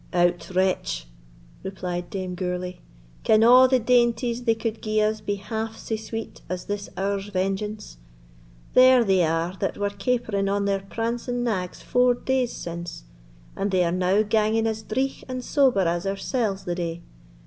"Out, wretch!" replied Dame Gourlay, "can a' the dainties they could gie us be half sae sweet as this hour's vengeance? There they are that were capering on their prancing nags four days since, and they are now ganging as dreigh and sober as oursells the day.